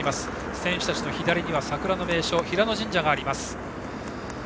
選手たちの左には桜の名所平野神社があります。